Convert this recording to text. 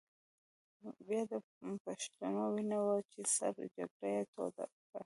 بیا د پښتون وینه وه چې سړه جګړه یې توده کړه.